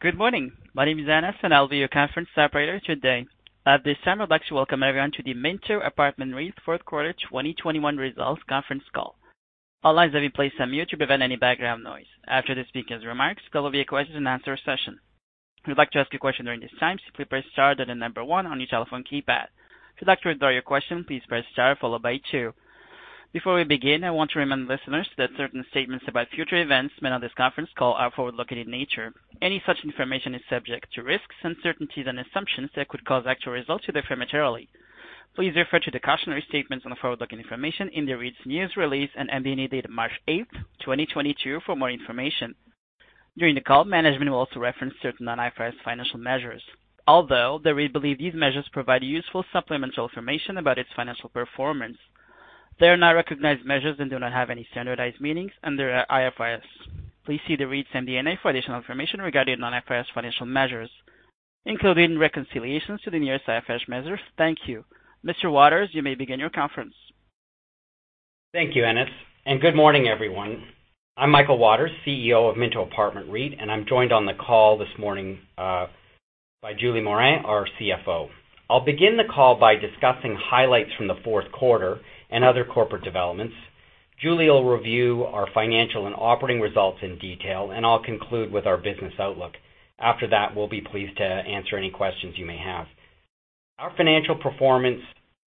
Good morning. My name is Anas, and I'll be your conference operator today. At this time, I'd like to welcome everyone to the Minto Apartment REIT Q4 2021 Results Conference Call. All lines have been placed on mute to prevent any background noise. After the speaker's remarks, there will be a question-and-answer session. If you'd like to ask a question during this time, simply press star, then the number one on your telephone keypad. If you'd like to withdraw your question, please press star followed by two. Before we begin, I want to remind listeners that certain statements about future events made on this conference call are forward-looking in nature. Any such information is subject to risks, uncertainties, and assumptions that could cause actual results to differ materially. Please refer to the cautionary statements on the forward-looking information in the REIT's news release and MD&A dated 8 March 2022 for more information. During the call, management will also reference certain non-IFRS financial measures. Although the REIT believe these measures provide useful supplemental information about its financial performance, they are not recognized measures and do not have any standardized meanings under IFRS. Please see the REIT's MD&A for additional information regarding non-IFRS financial measures, including reconciliations to the nearest IFRS measures. Thank you. Mr. Waters, you may begin your conference. Thank you, Anas, and good morning, everyone. I'm Michael Waters, CEO of Minto Apartment REIT, and I'm joined on the call this morning by Julie Morin, our CFO. I'll begin the call by discussing highlights from the Q4 and other corporate developments. Julie will review our financial and operating results in detail, and I'll conclude with our business outlook. After that, we'll be pleased to answer any questions you may have. Our financial performance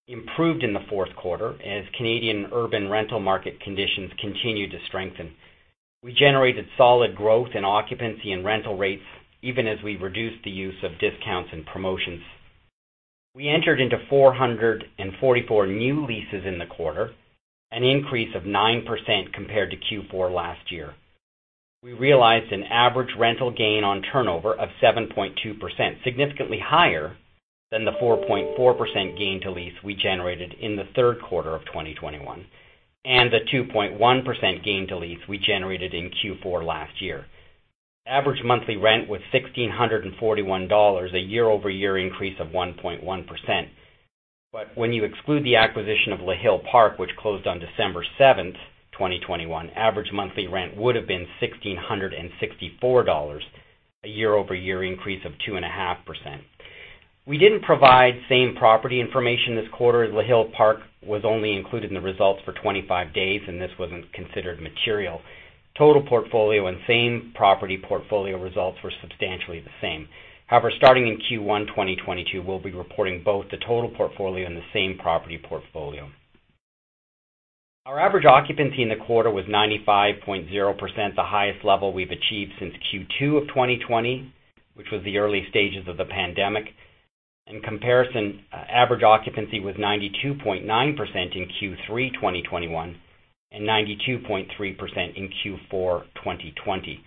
improved in the Q4 as Canadian urban rental market conditions continued to strengthen. We generated solid growth in occupancy and rental rates even as we reduced the use of discounts and promotions. We entered into 444 new leases in the quarter, an increase of 9% compared to Q4 last year. We realized an average rental gain on turnover of 7.2%, significantly higher than the 4.4% gain to lease we generated in the Q3 of 2021, and the 2.1% gain to lease we generated in Q4 last year. Average monthly rent was 1,641 dollars, a year-over-year increase of 1.1%. When you exclude the acquisition of Le Hill-Park, which closed on 7 December 2021, average monthly rent would have been 1,664 dollars, a year-over-year increase of 2.5%. We didn't provide same property information this quarter as Le Hill-Park was only included in the results for 25 days, and this wasn't considered material. Total portfolio and same property portfolio results were substantially the same. However, starting in Q1 2022, we'll be reporting both the total portfolio and the same property portfolio. Our average occupancy in the quarter was 95.0%, the highest level we've achieved since Q2 of 2020, which was the early stages of the pandemic. In comparison, average occupancy was 92.9% in Q3 2021 and 92.3% in Q4 2020.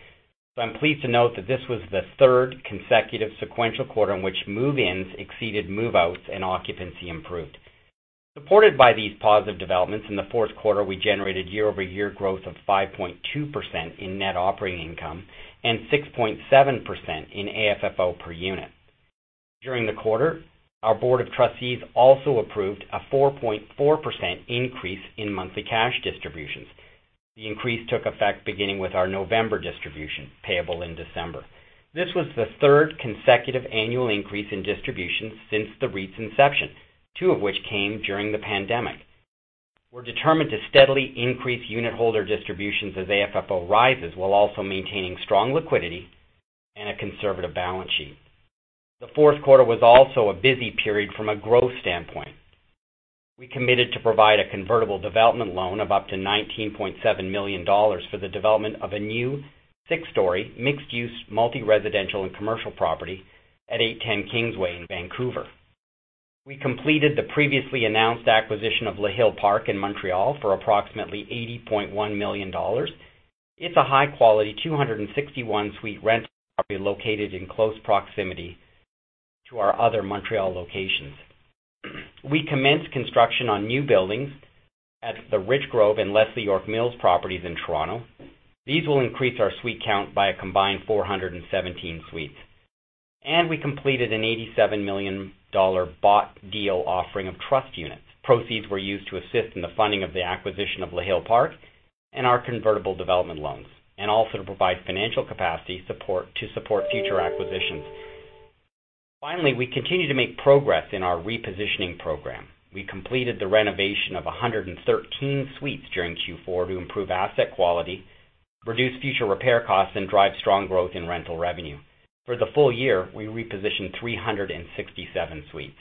I'm pleased to note that this was the third consecutive sequential quarter in which move-ins exceeded move-outs and occupancy improved. Supported by these positive developments, in the Q4, we generated year-over-year growth of 5.2% in net operating income and 6.7% in AFFO per unit. During the quarter, our board of trustees also approved a 4.4% increase in monthly cash distributions. The increase took effect beginning with our November distribution, payable in December. This was the third consecutive annual increase in distributions since the REIT's inception, two of which came during the pandemic. We're determined to steadily increase unit holder distributions as AFFO rises, while also maintaining strong liquidity and a conservative balance sheet. The Q4 was also a busy period from a growth standpoint. We committed to provide a convertible development loan of up to CAD 19.7 million for the development of a new six-story mixed-use multi-residential and commercial property at 810 Kingsway in Vancouver. We completed the previously announced acquisition of Le Hill-Park in Montreal for approximately 80.1 million dollars. It's a high-quality 261-suite rental property located in close proximity to our other Montreal locations. We commenced construction on new buildings at the Richgrove and Leslie York Mills properties in Toronto. These will increase our suite count by a combined 417 suites. We completed a 87 million dollar bought deal offering of trust units. Proceeds were used to assist in the funding of the acquisition of Le Hill-Park and our convertible development loans, and also to provide financial capacity support to support future acquisitions. Finally, we continue to make progress in our repositioning program. We completed the renovation of 113 suites during Q4 to improve asset quality, reduce future repair costs, and drive strong growth in rental revenue. For the full year, we repositioned 367 suites.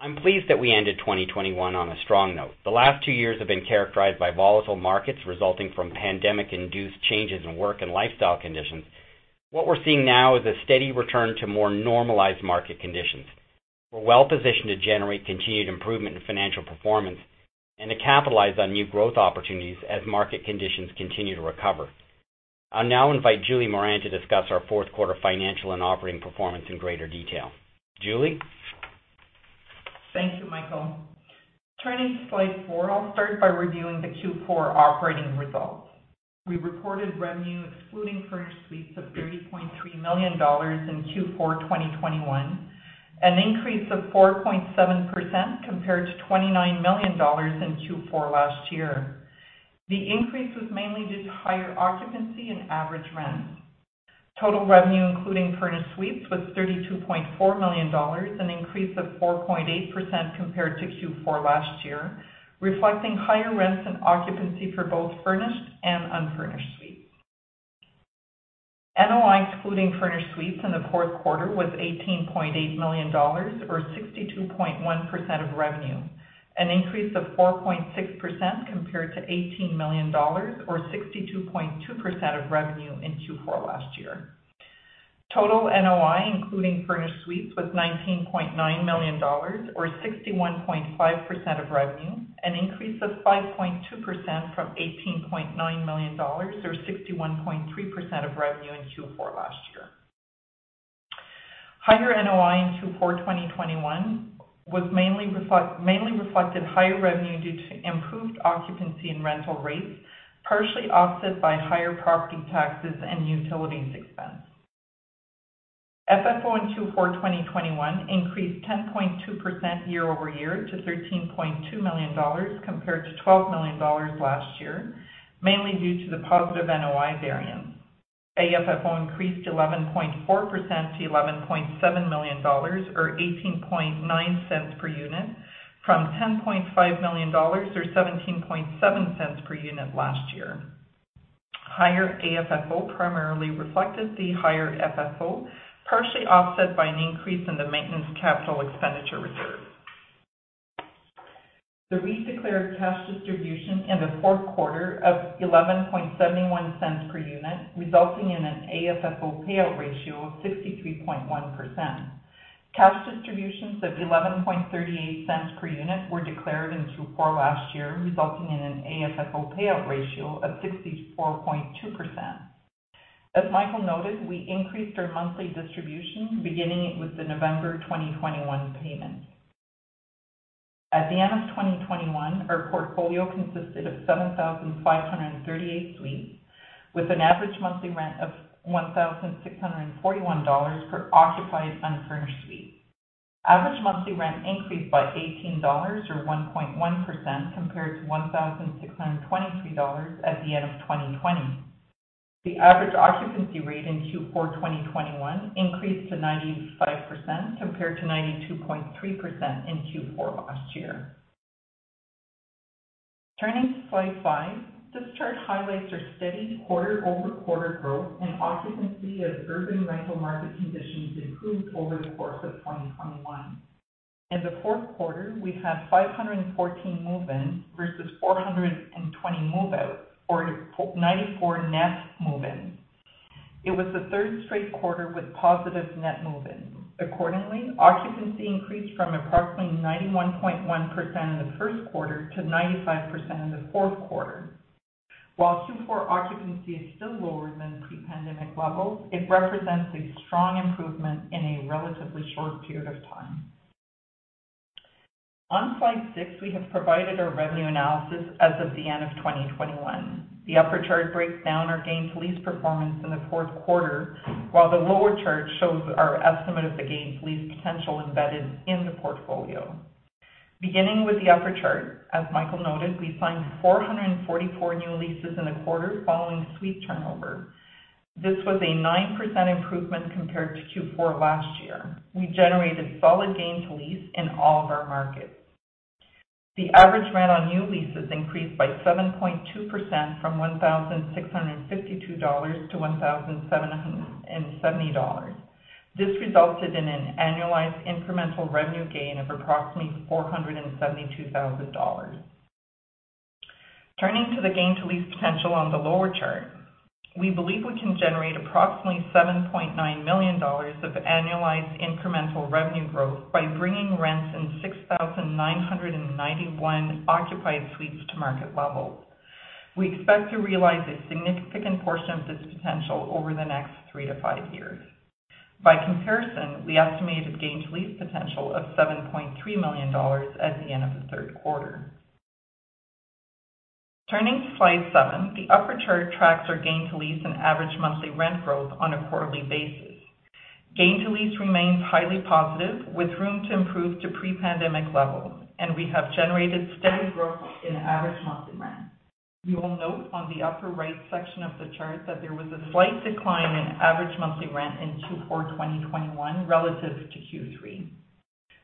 I'm pleased that we ended 2021 on a strong note. The last two years have been characterized by volatile markets resulting from pandemic-induced changes in work and lifestyle conditions. What we're seeing now is a steady return to more normalized market conditions. We're well-positioned to generate continued improvement in financial performance and to capitalize on new growth opportunities as market conditions continue to recover. I'll now invite Julie Morin to discuss our Q4 financial and operating performance in greater detail. Julie. Thank you, Michael. Turning to slide four, I'll start by reviewing the Q4 operating results. We reported revenue excluding furnished suites of 30.3 million dollars in Q4 2021, an increase of 4.7% compared to 29 million dollars in Q4 last year. The increase was mainly due to higher occupancy and average rents. Total revenue, including furnished suites, was 32.4 million dollars, an increase of 4.8% compared to Q4 last year, reflecting higher rents and occupancy for both furnished and unfurnished suites. NOI excluding furnished suites in the Q4 was 18.8 million dollars, or 62.1% of revenue, an increase of 4.6% compared to 18 million dollars or 62.2% of revenue in Q4 last year. Total NOI, including furnished suites, was 19.9 million dollars, or 61.5% of revenue, an increase of 5.2% from 18.9 million dollars, or 61.3% of revenue in Q4 last year. Higher NOI in Q4 2021 was mainly reflected higher revenue due to improved occupancy and rental rates, partially offset by higher property taxes and utilities expense. FFO in Q4 2021 increased 10.2% year-over-year to 13.2 million dollars, compared to 12 million dollars last year, mainly due to the positive NOI variance. AFFO increased 11.4% to 11.7 million dollars, or 0.189 per unit from 10.5 million dollars, or 0.177 per unit last year. Higher AFFO primarily reflected the higher FFO, partially offset by an increase in the maintenance capital expenditure reserve. The REIT declared cash distribution in the Q4 of 0.1171 per unit, resulting in an AFFO payout ratio of 63.1%. Cash distributions of 0.1138 per unit were declared in Q4 last year, resulting in an AFFO payout ratio of 64.2%. As Michael noted, we increased our monthly distribution beginning with the November 2021 payment. At the end of 2021, our portfolio consisted of 7,538 suites, with an average monthly rent of 1,641 dollars per occupied unfurnished suite. Average monthly rent increased by 18 dollars, or 1.1% compared to 1,623 dollars at the end of 2020. The average occupancy rate in Q4 2021 increased to 95%, compared to 92.3% in Q4 last year. Turning to slide five. This chart highlights our steady quarter-over-quarter growth and occupancy as urban rental market conditions improved over the course of 2021. In the Q4, we had 514 move-in versus 420 move-out or 94 net move-in. It was the third straight quarter with positive net move-in. Accordingly, occupancy increased from approximately 91.1% in the Q1 to 95% in the Q4. While Q4 occupancy is still lower than pre-pandemic levels, it represents a strong improvement in a relatively short period of time. On slide six, we have provided our revenue analysis as of the end of 2021. The upper chart breaks down our gain-to-lease performance in the Q4, while the lower chart shows our estimate of the gain-to-lease potential embedded in the portfolio. Beginning with the upper chart, as Michael noted, we signed 444 new leases in the quarter following suite turnover. This was a 9% improvement compared to Q4 last year. We generated solid gain-to-lease in all of our markets. The average rent on new leases increased by 7.2% from 1,652 dollars to 1,770 dollars. This resulted in an annualized incremental revenue gain of approximately 472,000 dollars. Turning to the gain-to-lease potential on the lower chart, we believe we can generate approximately 7.9 million dollars of annualized incremental revenue growth by bringing rents in 6,991 occupied suites to market level. We expect to realize a significant portion of this potential over the next three to five years. By comparison, we estimated gain-to-lease potential of 7.3 million dollars at the end of the third quarter. Turning to slide seven. The upper chart tracks our gain-to-lease and average monthly rent growth on a quarterly basis. Gain-to-lease remains highly positive, with room to improve to pre-pandemic levels, and we have generated steady growth in average monthly rent. You will note on the upper right section of the chart that there was a slight decline in average monthly rent in Q4 2021 relative to Q3.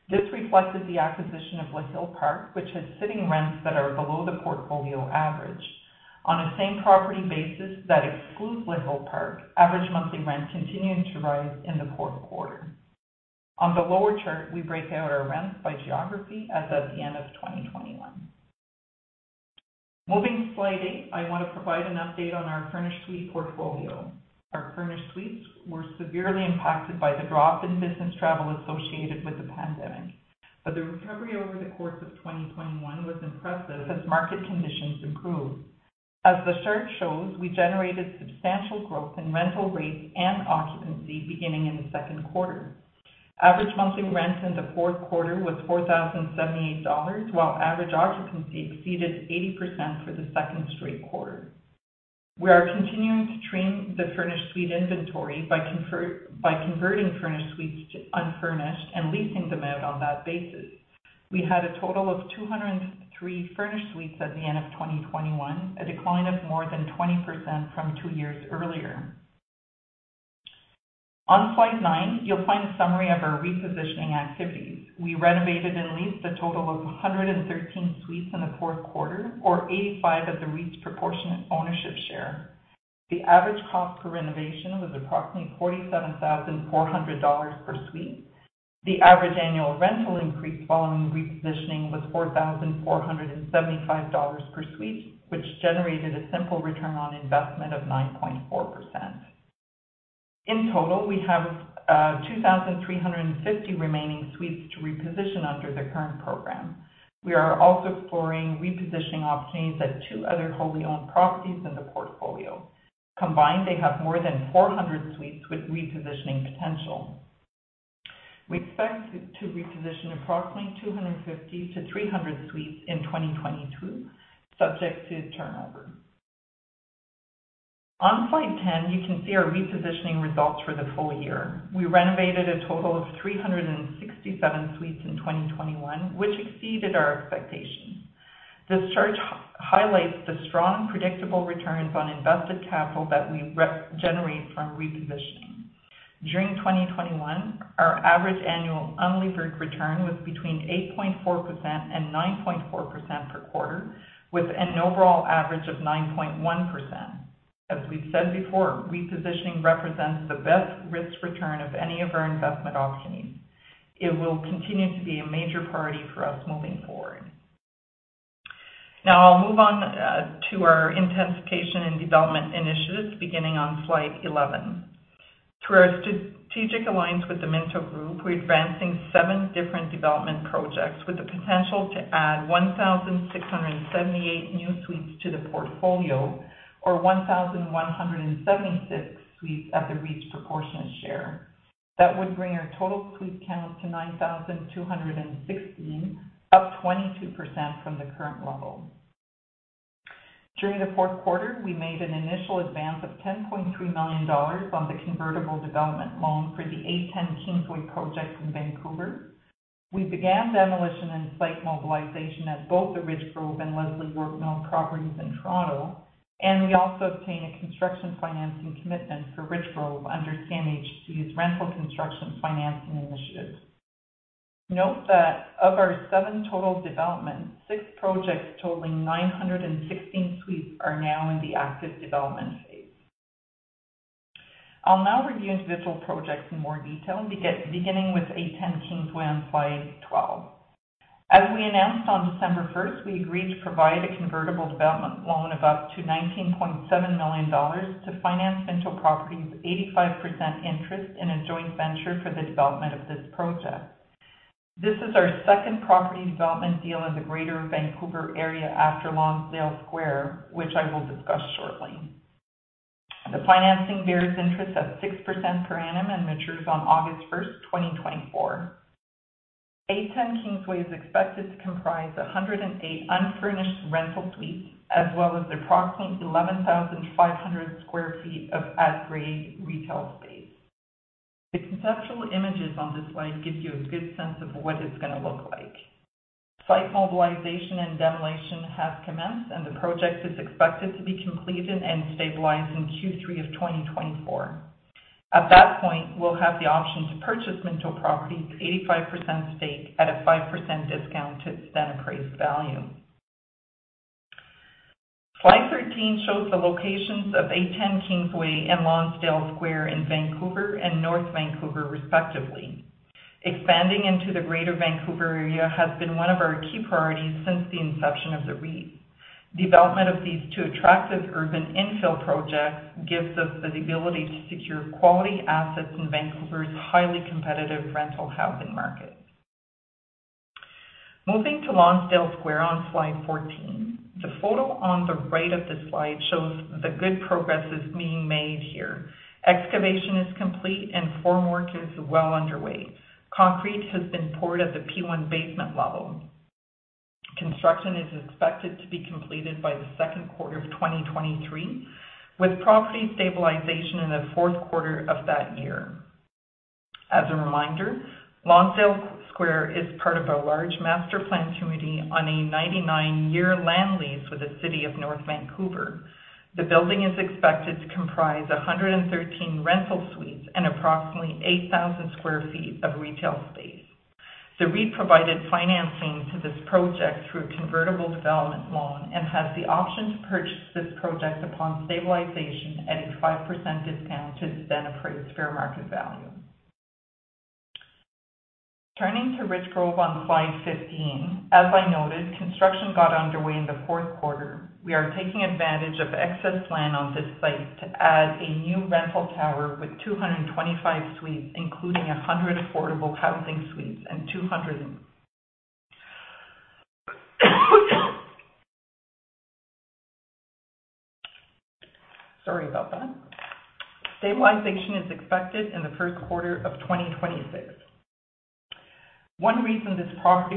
This reflected the acquisition of Le Hill-Park, which had sitting rents that are below the portfolio average. On a same property basis that excludes Le Hill-Park, average monthly rent continued to rise in the Q4. On the lower chart, we break out our rents by geography as at the end of 2021. Moving to slide eight, I want to provide an update on our furnished suite portfolio. Our furnished suites were severely impacted by the drop in business travel associated with the pandemic, but the recovery over the course of 2021 was impressive as market conditions improved. As the chart shows, we generated substantial growth in rental rates and occupancy beginning in the Q2. Average monthly rent in the Q4 was 4,078 dollars, while average occupancy exceeded 80% for the second straight quarter. We are continuing to trim the furnished suite inventory by converting furnished suites to unfurnished and leasing them out on that basis. We had a total of 203 furnished suites at the end of 2021, a decline of more than 20% from two years earlier. On slide nine, you'll find a summary of our repositioning activities. We renovated and leased a total of 113 suites in the fourth quarter, or 85 of the REIT's proportionate ownership share. The average cost per renovation was approximately 47,400 dollars per suite. The average annual rental increase following repositioning was 4,475 dollars per suite, which generated a simple return on investment of 9.4%. In total, we have 2,350 remaining suites to reposition under the current program. We are also exploring repositioning opportunities at two other wholly owned properties in the portfolio. Combined, they have more than 400 suites with repositioning potential. We expect to reposition approximately 250 suites-300 suites in 2022, subject to turnover. On Slide 10, you can see our repositioning results for the full year. We renovated a total of 367 suites in 2021, which exceeded our expectations. This chart highlights the strong, predictable returns on invested capital that we generate from repositioning. During 2021, our average annual unlevered return was between 8.4% and 9.4% per quarter, with an overall average of 9.1%. As we've said before, repositioning represents the best risk return of any of our investment opportunities. It will continue to be a major priority for us moving forward. Now I'll move on to our intensification and development initiatives beginning on slide 11. Through our strategic alliance with the Minto Group, we're advancing seven different development projects with the potential to add 1,678 new suites to the portfolio, or 1,176 suites at the REIT's proportionate share. That would bring our total suite count to 9,216, up 22% from the current level. During the Q4, we made an initial advance of 10.3 million dollars on the convertible development loan for the 810 Kingsway project in Vancouver. We began demolition and site mobilization at both the Richgrove and Leslie York Mills properties in Toronto, and we also obtained a construction financing commitment for Richgrove under CMHC's Rental Construction Financing Initiative. Note that of our seven total developments, six projects totaling 916 suites are now in the active development phase. I'll now review individual projects in more detail, beginning with 810 Kingsway on slide 12. As we announced on 1 December, we agreed to provide a convertible development loan of up to 19.7 million dollars to finance Minto Properties' 85% interest in a joint venture for the development of this project. This is our second property development deal in the Greater Vancouver area after Lonsdale Square, which I will discuss shortly. The financing bears interest at 6% per annum and matures on 1 August 2024. The 810 Kingsway is expected to comprise 108 unfurnished rental suites, as well as approximately 11,500 sq ft of at-grade retail space. The conceptual images on this slide give you a good sense of what it's gonna look like. Site mobilization and demolition have commenced, and the project is expected to be completed and stabilized in Q3 of 2024. At that point, we'll have the option to purchase Minto Properties' 85% stake at a 5% discount to its then-appraised value. Slide 13 shows the locations of 810 Kingsway and Lonsdale Square in Vancouver and North Vancouver, respectively. Expanding into the Greater Vancouver area has been one of our key priorities since the inception of the REIT. Development of these two attractive urban infill projects gives us the ability to secure quality assets in Vancouver's highly competitive rental housing market. Moving to Lonsdale Square on slide 14. The photo on the right of the slide shows the good progress is being made here. Excavation is complete, and formwork is well underway. Concrete has been poured at the P1 basement level. Construction is expected to be completed by the Q2 of 2023, with property stabilization in the Q4 of that year. As a reminder, Lonsdale Square is part of a large master planned community on a 99-year land lease with the city of North Vancouver. The building is expected to comprise 113 rental suites and approximately 8,000 sq ft of retail space. The REIT provided financing to this project through a convertible development loan and has the option to purchase this project upon stabilization at a 5% discount to its then-appraised fair market value. Turning to Richgrove on slide 15. As I noted, construction got underway in the Q4. We are taking advantage of excess land on this site to add a new rental tower with 225 suites, including 100 affordable housing suites. Sorry about that. Stabilization is expected in the Q1 of 2026. One reason this property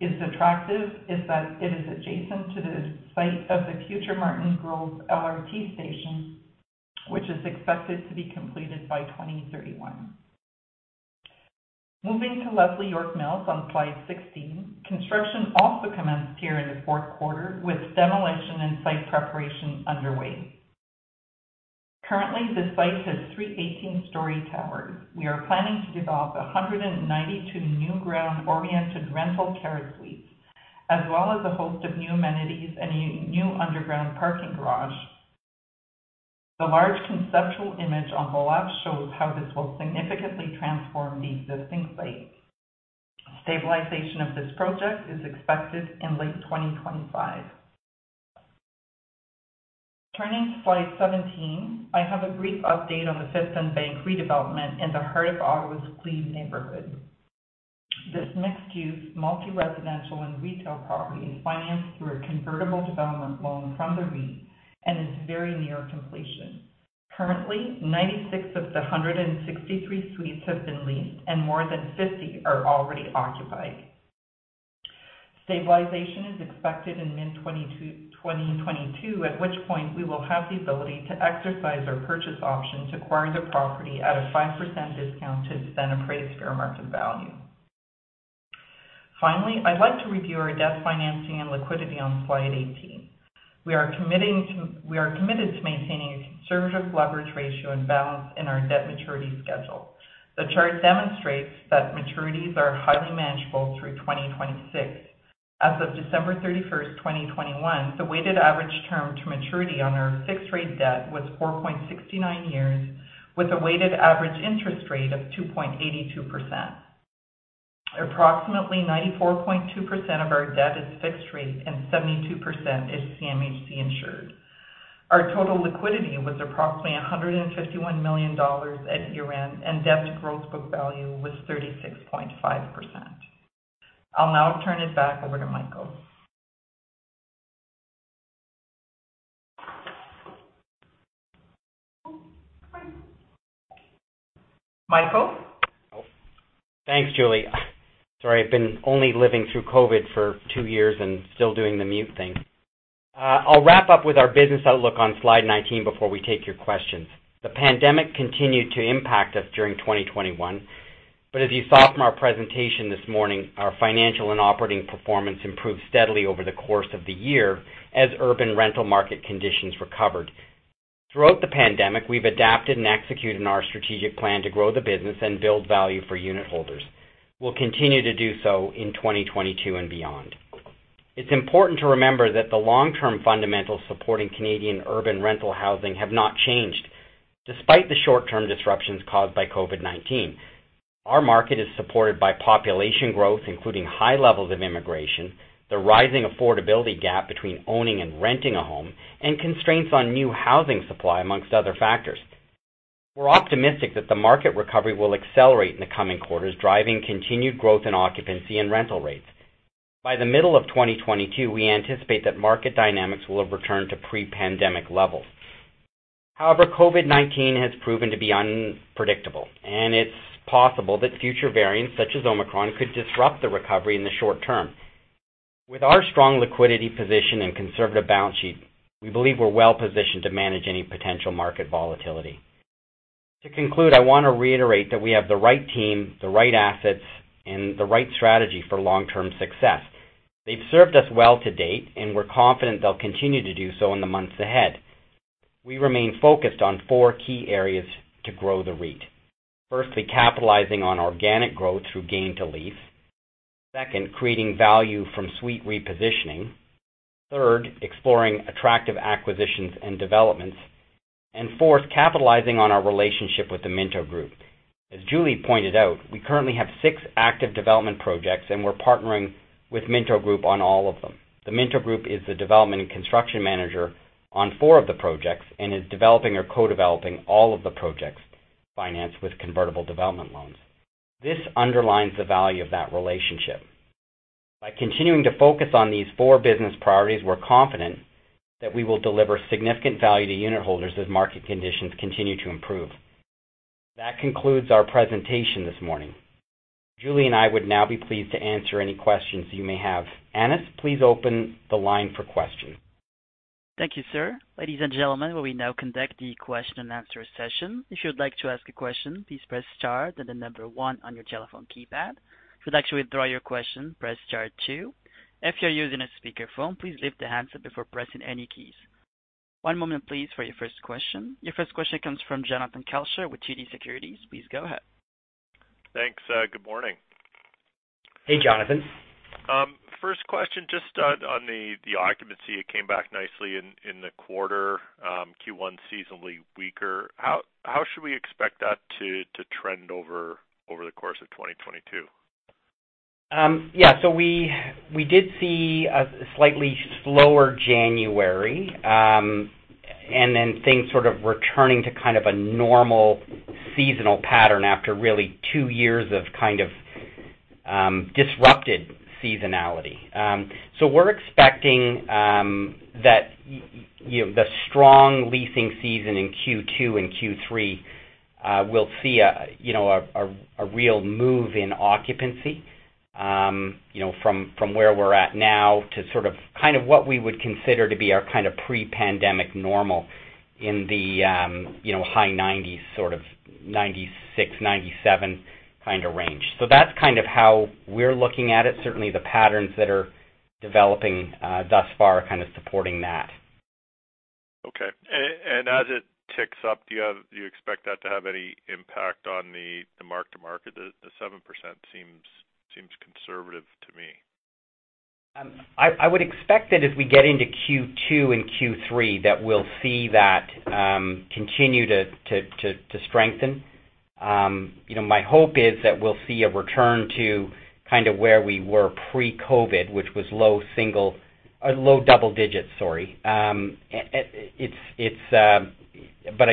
is attractive is that it is adjacent to the site of the future Martin Grove LRT station, which is expected to be completed by 2031. Moving to Leslie York Mills on slide 16. Construction also commenced here in the Q4, with demolition and site preparation underway. Currently, this site has three 18-story towers. We are planning to develop 192 new ground-oriented rental carriage suites, as well as a host of new amenities and a new underground parking garage. The large conceptual image on the left shows how this will significantly transform the existing site. Stabilization of this project is expected in late 2025. Turning to slide 17, I have a brief update on the Fifth + Bank redevelopment in the heart of Ottawa's Glebe neighborhood. This mixed-use multi-residential and retail property is financed through a convertible development loan from the REIT and is very near completion. Currently, 96 of the 163 suites have been leased and more than 50 are already occupied. Stabilization is expected in mid-2022. 2022, at which point we will have the ability to exercise our purchase option to acquire the property at a 5% discount to its then appraised fair market value. Finally, I'd like to review our debt financing and liquidity on slide 18. We are committed to maintaining a conservative leverage ratio and balance in our debt maturity schedule. The chart demonstrates that maturities are highly manageable through 2026. As of 31 December 2021, the weighted average term to maturity on our fixed-rate debt was 4.69 years, with a weighted average interest rate of 2.82%. Approximately 94.2% of our debt is fixed rate and 72% is CMHC insured. Our total liquidity was approximately 151 million dollars at year-end, and debt to gross book value was 36.5%. I'll now turn it back over to Michael. Michael? Oh, thanks, Julie. Sorry, I've been only living through COVID for two years and still doing the mute thing. I'll wrap up with our business outlook on slide 19 before we take your questions. The pandemic continued to impact us during 2021, but as you saw from our presentation this morning, our financial and operating performance improved steadily over the course of the year as urban rental market conditions recovered. Throughout the pandemic, we've adapted and executed our strategic plan to grow the business and build value for unit holders. We'll continue to do so in 2022 and beyond. It's important to remember that the long-term fundamentals supporting Canadian urban rental housing have not changed, despite the short-term disruptions caused by COVID-19. Our market is supported by population growth, including high levels of immigration, the rising affordability gap between owning and renting a home, and constraints on new housing supply, among other factors. We're optimistic that the market recovery will accelerate in the coming quarters, driving continued growth in occupancy and rental rates. By the middle of 2022, we anticipate that market dynamics will have returned to pre-pandemic levels. However, COVID-19 has proven to be unpredictable, and it's possible that future variants such as Omicron could disrupt the recovery in the short term. With our strong liquidity position and conservative balance sheet, we believe we're well positioned to manage any potential market volatility. To conclude, I want to reiterate that we have the right team, the right assets, and the right strategy for long-term success. They've served us well to date, and we're confident they'll continue to do so in the months ahead. We remain focused on four key areas to grow the REIT. Firstly, capitalizing on organic growth through gain-to-lease. Second, creating value from suite repositioning. Third, exploring attractive acquisitions and developments. Fourth, capitalizing on our relationship with the Minto Group. As Julie pointed out, we currently have six active development projects, and we're partnering with Minto Group on all of them. The Minto Group is the development and construction manager on four of the projects and is developing or co-developing all of the projects financed with convertible development loans. This underlines the value of that relationship. By continuing to focus on these four business priorities, we're confident that we will deliver significant value to unit holders as market conditions continue to improve. That concludes our presentation this morning. Julie and I would now be pleased to answer any questions you may have. Anas, please open the line for questions. Thank you, sir. Ladies and gentlemen, we now conduct the question and answer session. If you'd like to ask a question, please press star then one on your telephone keypad. If you'd like to withdraw your question, press star two. If you're using a speakerphone, please lift the handset before pressing any keys. One moment please, for your first question. Your first question comes from Jonathan Kelcher with TD Securities. Please go ahead. Thanks. Good morning. Hey, Jonathan. First question, just on the occupancy. It came back nicely in the quarter. Q1 seasonally weaker. How should we expect that to trend over the course of 2022? Yeah. We did see a slightly slower January, and then things sort of returning to kind of a normal seasonal pattern after really two years of kind of disrupted seasonality. We're expecting that you know, the strong leasing season in Q2 and Q3 will see a you know, a real move in occupancy you know, from where we're at now to sort of, kind of what we would consider to be our kind of pre-pandemic normal in the you know, high 90s%, sort of 96%, 97% kinda range. That's kind of how we're looking at it. Certainly, the patterns that are developing thus far are kind of supporting that. Okay. As it ticks up, do you expect that to have any impact on the mark-to-market? The 7% seems conservative to me. I would expect that as we get into Q2 and Q3, that we'll see that continue to strengthen. You know, my hope is that we'll see a return to kind of where we were pre-COVID, which was low double digits, sorry. I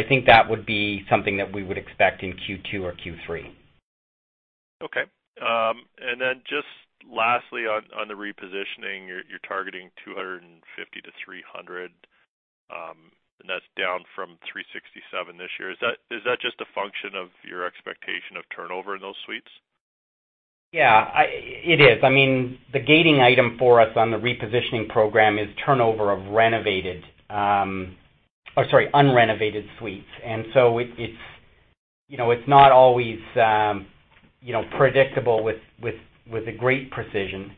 think that would be something that we would expect in Q2 or Q3. Okay. Just lastly on the repositioning, you're targeting 250-300, and that's down from 367 this year. Is that just a function of your expectation of turnover in those suites? Yeah. It is. I mean, the gating item for us on the repositioning program is turnover of unrenovated suites. It's, you know, not always predictable with a great precision.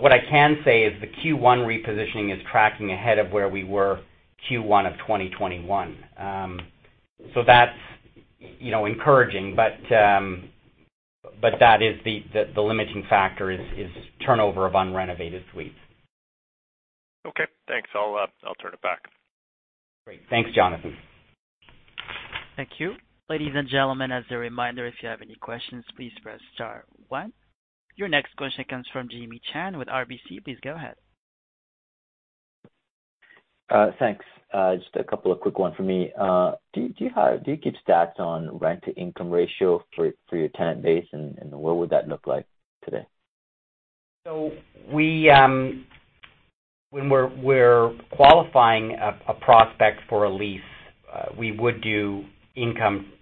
What I can say is the Q1 repositioning is tracking ahead of where we were Q1 of 2021. That's, you know, encouraging. That is the limiting factor, turnover of unrenovated suites. Okay. Thanks. I'll turn it back. Great. Thanks, Jonathan. Thank you. Ladies and gentlemen, as a reminder, if you have any questions, please press star one. Your next question comes from Jimmy Shan with RBC. Please go ahead. Thanks. Just a couple of quick one from me. Do you keep stats on rent-to-income ratio for your tenant base, and what would that look like today? We, when we're qualifying a prospect for a lease, we would do income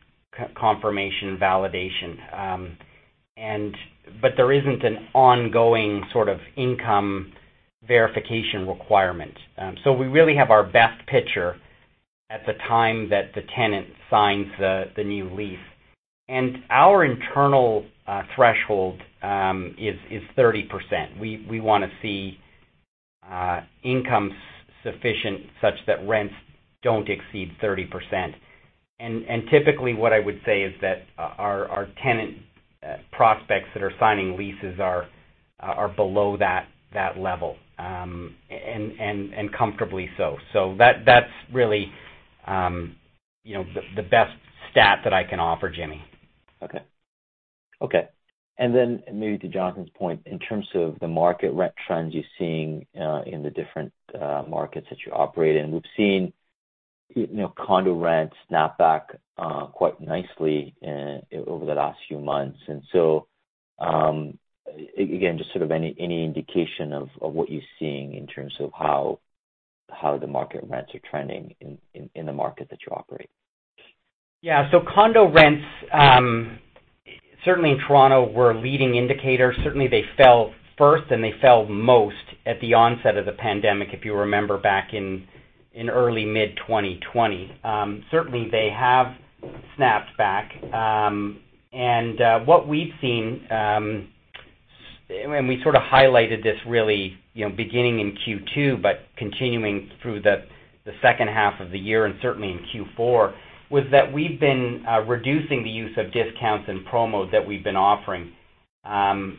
confirmation validation. There isn't an ongoing sort of income verification requirement. We really have our best picture at the time that the tenant signs the new lease. Our internal threshold is 30%. We wanna see income sufficient such that rents don't exceed 30%. Typically, what I would say is that our tenant prospects that are signing leases are below that level comfortably so. That's really, you know, the best stat that I can offer, Jimmy. Okay. Maybe to Jonathan's point, in terms of the market rent trends you're seeing in the different markets that you operate in. We've seen, you know, condo rents snap back quite nicely over the last few months. Again, just sort of any indication of what you're seeing in terms of how the market rents are trending in the market that you operate? Yeah. Condo rents certainly in Toronto were a leading indicator. Certainly, they fell first, and they fell most at the onset of the pandemic, if you remember back in early mid-2020. Certainly they have snapped back. What we've seen and we sort of highlighted this really, you know, beginning in Q2, but continuing through the second half of the year and certainly in Q4, was that we've been reducing the use of discounts and promos that we've been offering. That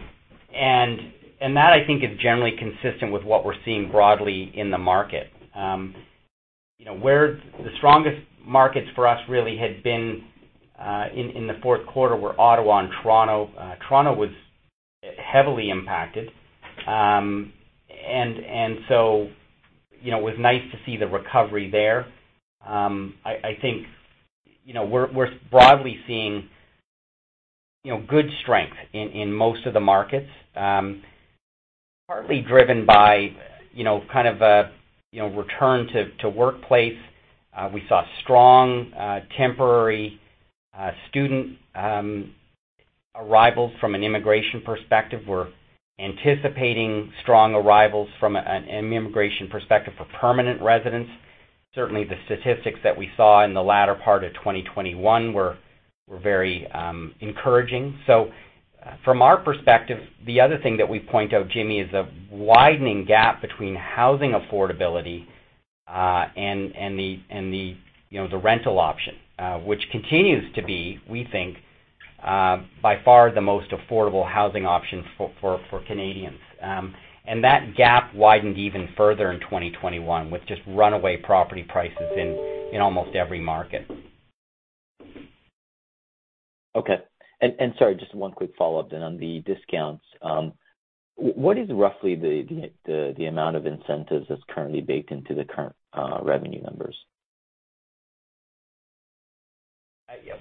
I think is generally consistent with what we're seeing broadly in the market. You know, where the strongest markets for us really had been in the Q4 were Ottawa and Toronto. Toronto was heavily impacted. You know, it was nice to see the recovery there. I think, you know, we're broadly seeing, you know, good strength in most of the markets, partly driven by, you know, kind of a return to workplace. We saw strong temporary student arrivals from an immigration perspective. We're anticipating strong arrivals from an immigration perspective for permanent residents. Certainly, the statistics that we saw in the latter part of 2021 were very encouraging. From our perspective, the other thing that we point out, Jimmy, is the widening gap between housing affordability and the rental option, which continues to be, we think, by far the most affordable housing option for Canadians. And that gap widened even further in 2021, with just runaway property prices in almost every market. Okay. Sorry, just one quick follow-up then on the discounts. What is roughly the amount of incentives that's currently baked into the current revenue numbers?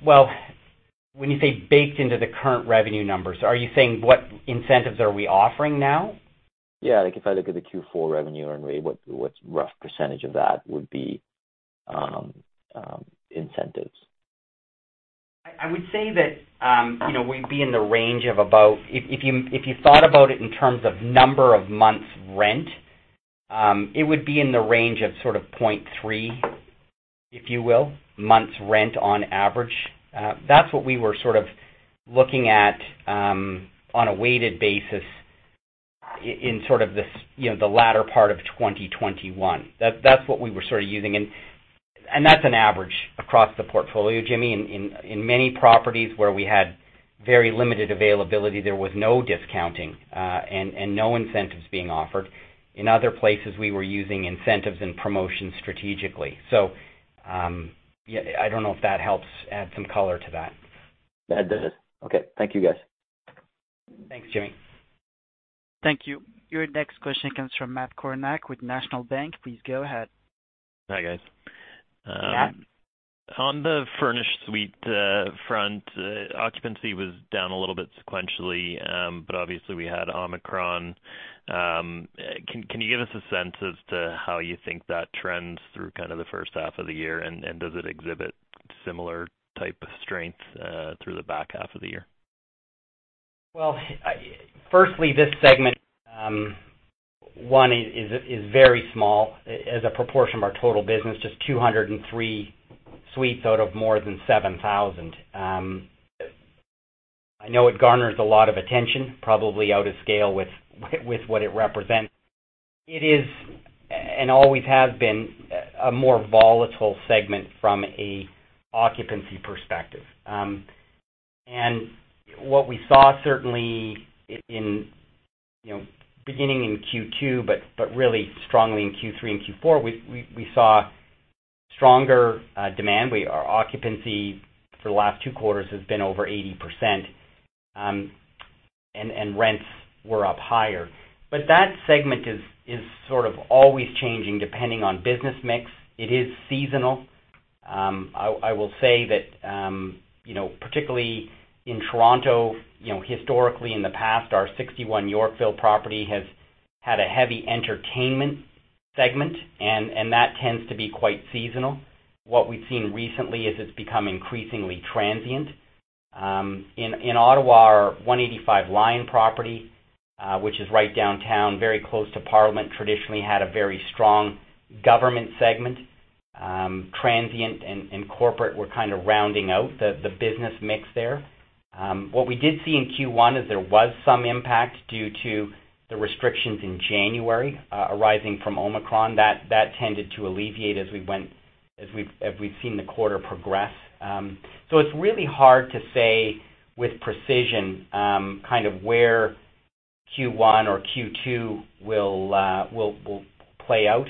Well, when you say baked into the current revenue numbers, are you saying what incentives are we offering now? Yeah. Like, if I look at the Q4 revenue run rate, what's rough percentage of that would be, incentives? I would say that, you know, we'd be in the range of, if you thought about it in terms of number of months rent, sort of 0.3, if you will, months rent on average. That's what we were sort of looking at, on a weighted basis in sort of this, you know, the latter part of 2021. That's what we were sort of using. That's an average across the portfolio, Jimmy. In many properties where we had very limited availability, there was no discounting, and no incentives being offered. In other places, we were using incentives and promotions strategically. Yeah, I don't know if that helps add some color to that. That does it. Okay. Thank you, guys. Thanks, Jimmy. Thank you. Your next question comes from Matt Kornack with National Bank. Please go ahead. Hi, guys. Matt. On the furnished suite front, occupancy was down a little bit sequentially, but obviously we had Omicron. Can you give us a sense as to how you think that trends through kind of the first half of the year? Does it exhibit similar type of strength through the back half of the year? Well, firstly, this segment is very small as a proportion of our total business, just 203 suites out of more than 7,000. I know it garners a lot of attention, probably out of scale with what it represents. It is and always has been a more volatile segment from an occupancy perspective. What we saw certainly in, you know, beginning in Q2, but really strongly in Q3 and Q4, we saw stronger demand. Our occupancy for the last two quarters has been over 80%, and rents were up higher. That segment is sort of always changing depending on business mix. It is seasonal. I will say that, you know, particularly in Toronto, you know, historically in the past, our 61 Yorkville property has had a heavy entertainment segment, and that tends to be quite seasonal. What we've seen recently is it's become increasingly transient. In Ottawa, our 185 Lyon property, which is right downtown, very close to Parliament, traditionally had a very strong government segment. Transient and corporate were kind of rounding out the business mix there. What we did see in Q1 is there was some impact due to the restrictions in January, arising from Omicron. That tended to alleviate as we've seen the quarter progress. So it's really hard to say with precision, kind of where Q1 or Q2 will play out.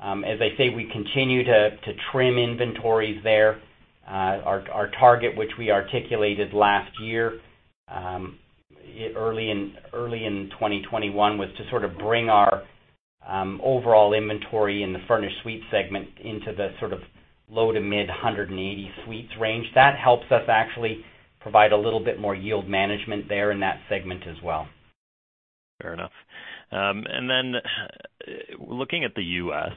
As I say, we continue to trim inventories there. Our target, which we articulated last year, early in 2021, was to sort of bring our overall inventory in the furnished suite segment into the sort of low- to mid-180 suites range. That helps us actually provide a little bit more yield management there in that segment as well. Fair enough. Looking at the U.S. Sun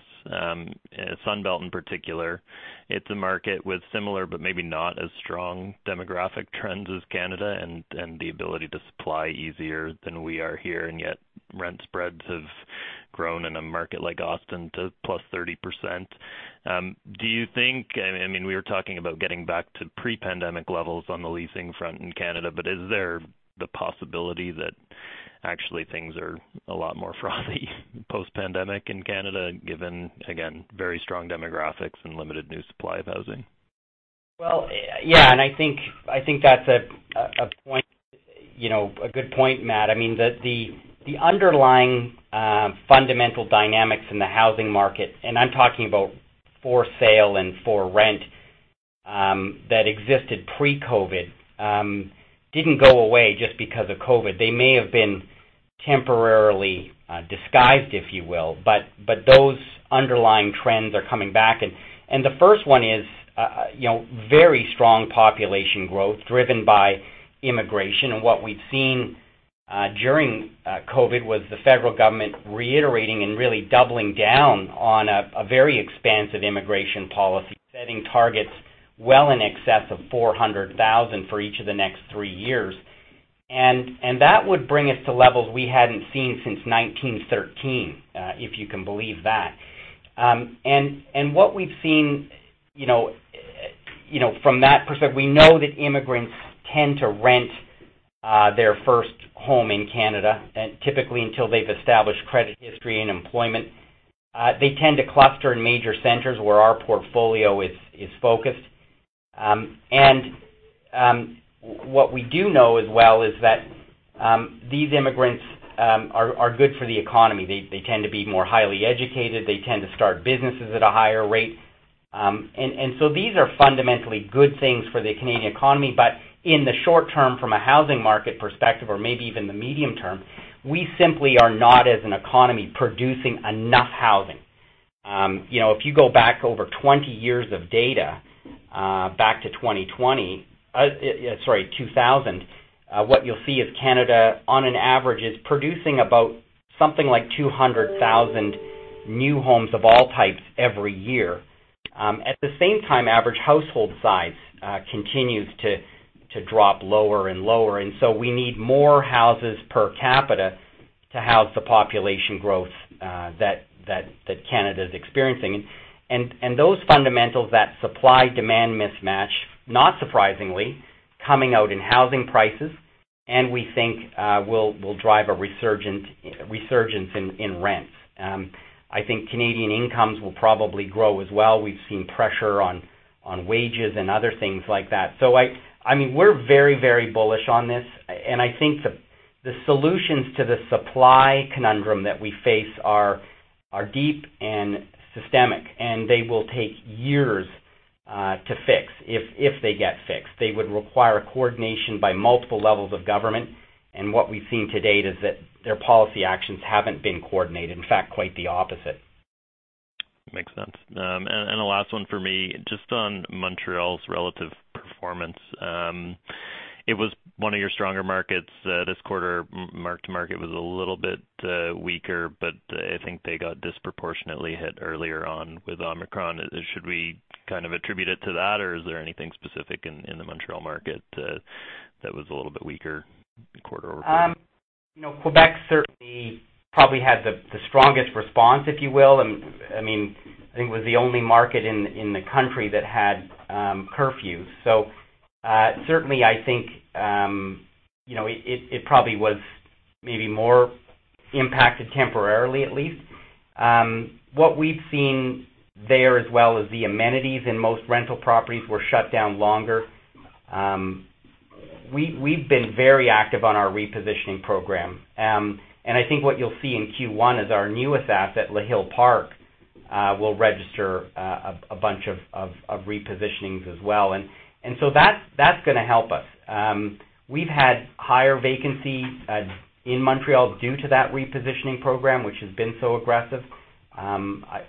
Belt in particular, it's a market with similar but maybe not as strong demographic trends as Canada and the ability to supply easier than we are here, and yet rent spreads have grown in a market like Austin to +30%. Do you think, I mean, we were talking about getting back to pre-pandemic levels on the leasing front in Canada, but is there the possibility that actually things are a lot more frothy post-pandemic in Canada, given, again, very strong demographics and limited new supply of housing? Well, yeah, I think that's a point, you know, a good point, Matt. I mean, the underlying fundamental dynamics in the housing market, and I'm talking about for sale and for rent, that existed pre-COVID, didn't go away just because of COVID. They may have been temporarily disguised, if you will, but those underlying trends are coming back. The first one is, you know, very strong population growth driven by immigration. What we've seen during COVID was the federal government reiterating and really doubling down on a very expansive immigration policy, setting targets well in excess of 400,000 for each of the next three years. That would bring us to levels we hadn't seen since 1913, if you can believe that. From that perspective, we know that immigrants tend to rent their first home in Canada typically until they've established credit history and employment. They tend to cluster in major centers where our portfolio is focused. What we do know as well is that these immigrants are good for the economy. They tend to be more highly educated. They tend to start businesses at a higher rate. These are fundamentally good things for the Canadian economy. In the short term, from a housing market perspective, or maybe even the medium term, we simply are not as an economy producing enough housing. You know, if you go back over 20 years of data, back to 2020. What you'll see is Canada, on average, is producing about something like 200,000 new homes of all types every year. At the same time, average household size continues to drop lower and lower, and so we need more houses per capita to house the population growth that Canada is experiencing. Those fundamentals that supply-demand mismatch, not surprisingly, coming out in housing prices, and we think will drive a resurgence in rents. I think Canadian incomes will probably grow as well. We've seen pressure on wages and other things like that. I mean, we're very, very bullish on this. I think the solutions to the supply conundrum that we face are deep and systemic, and they will take years to fix if they get fixed. They would require coordination by multiple levels of government. What we've seen to date is that their policy actions haven't been coordinated. In fact, quite the opposite. Makes sense. The last one for me, just on Montreal's relative performance. It was one of your stronger markets this quarter. Mark-to-market was a little bit weaker, but I think they got disproportionately hit earlier on with Omicron. Should we kind of attribute it to that, or is there anything specific in the Montreal market that was a little bit weaker quarter-over-quarter? You know, Quebec certainly probably had the strongest response, if you will. I mean, I think it was the only market in the country that had curfews. Certainly I think, you know, it probably was maybe more impacted temporarily at least. What we've seen there, as well as the amenities in most rental properties were shut down longer. We've been very active on our repositioning program. I think what you'll see in Q1 is our newest asset, Le Hill-Park, will register a bunch of repositionings as well. That's gonna help us. We've had higher vacancies in Montreal due to that repositioning program, which has been so aggressive.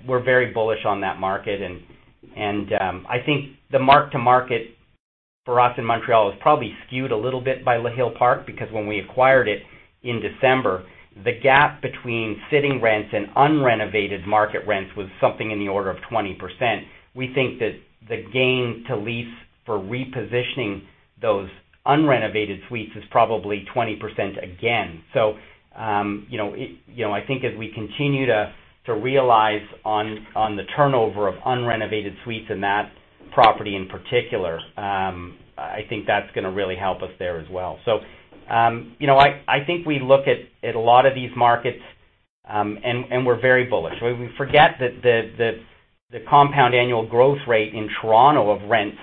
We're very bullish on that market and I think the mark-to-market for us in Montreal is probably skewed a little bit by Le Hill-Park because when we acquired it in December, the gap between sitting rents and unrenovated market rents was something in the order of 20%. We think that the gain-to-lease for repositioning those unrenovated suites is probably 20% again. You know, I think as we continue to realize on the turnover of unrenovated suites in that property in particular, I think that's gonna really help us there as well. You know, I think we look at a lot of these markets and we're very bullish. We forget that the compound annual growth rate in Toronto of rents